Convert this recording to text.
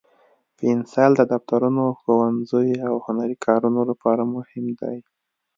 پنسل د دفترونو، ښوونځیو، او هنري کارونو لپاره مهم دی.